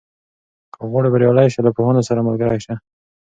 که غواړې بریالی شې، له پوهانو سره ملګری شه.